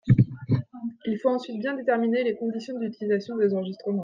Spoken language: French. Il faut ensuite bien déterminer les conditions d’utilisation des enregistrements.